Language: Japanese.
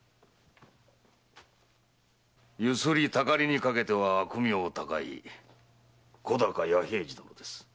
強請たかりにかけては悪名高い小高弥平次殿です。